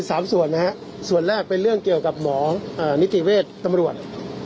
ครับแยกออกไป๓ส่วนนะฮะส่วนแรกเป็นเรื่องเกี่ยวกับหมอนิติเวทตำรวจ